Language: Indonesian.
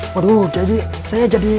waduh jadi saya jadi